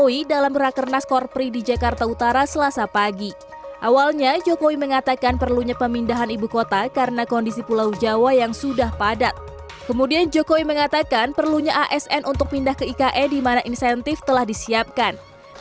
yang mengatakan perlunya asn untuk pindah ke ikae di mana insentif telah disiapkan